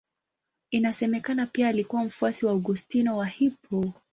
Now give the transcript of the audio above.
Inasemekana pia alikuwa mfuasi wa Augustino wa Hippo.